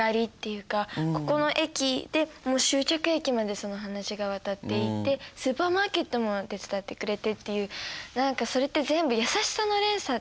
ここの駅でもう終着駅までその話が渡っていってスーパーマーケットも手伝ってくれてっていう何かそれって全部優しさの連鎖っていうか